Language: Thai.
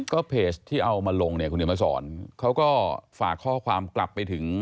ก็เพจที่เอามาลงเนี่ยคุณเดี๋ยวมาสอนเขาก็ฝากข้อความกลับไปถึง